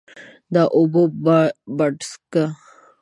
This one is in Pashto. د اوبو باډسکه،